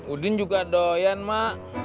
udin juga doyan mak